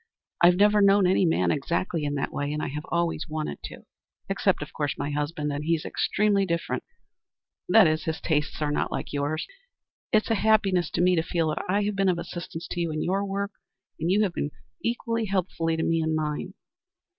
I've never known any man exactly in that way, and I have always wanted to. Except, of course, my husband. And he's extremely different that is, his tastes are not like yours. It's a happiness to me to feel that I have been of assistance to you in your work, and you have been equally helpful to me in mine.